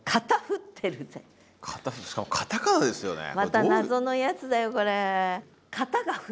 また謎のやつだよこれ。